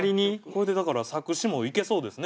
これでだから作詞もいけそうですね。